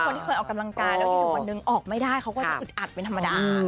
มีคนออกไม่ได้มันอุดอทบรรท์ต่าง